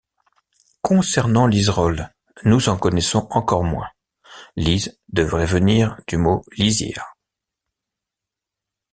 Concernant Lizerolles nous en connaissons encore moins, lize devrait venir du mot lisière.